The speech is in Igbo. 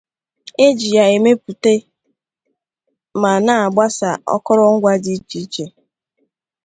E ji ya emepụta ma na-agbasa akọrọngwa dị iche iche.